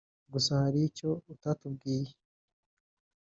gusa hari icyo utatubwiye